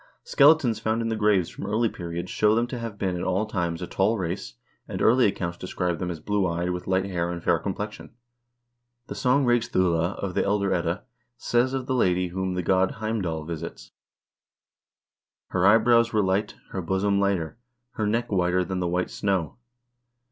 Skeletons found in the graves from early periods show them to have been at all times a tall race, and all early accounts describe them as blue eyed, with light hair and fair complexion. The song "Rigs bula," of the "Elder Edda," says of the lady whom the god Heimdall visits : Her eyebrows were light, her bosom lighter, her neck whiter than the white snow.